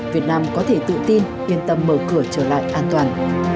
việt nam có thể tự tin yên tâm mở cửa trở lại an toàn